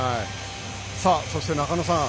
そして、中野さん